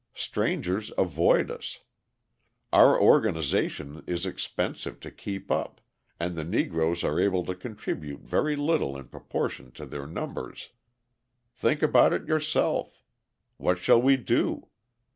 Strangers avoid us. Our organisation is expensive to keep up and the Negroes are able to contribute very little in proportion to their numbers. Think about it yourself: What shall we do?